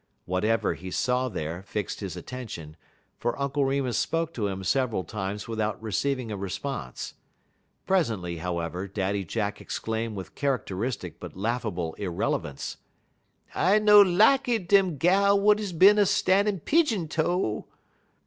Whatever he saw there fixed his attention, for Uncle Remus spoke to him several times without receiving a response. Presently, however, Daddy Jack exclaimed with characteristic but laughable irrelevance: "I no lakky dem gal wut is bin a stan' pidjin toe.